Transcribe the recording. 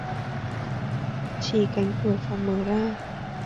Chỉ cánh cửa phòng mở ra